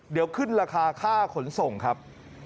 เดี๋ยวขึ้นราคาค่าขนส่งครับ